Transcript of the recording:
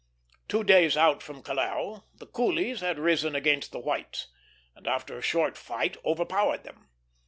Two days out from Callao the coolies had risen against the whites, and after a short fight overpowered them.